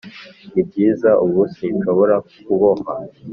nibyiza ubu sinshobora kubohwa